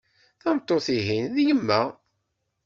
Tameṭṭut ihin d yemma.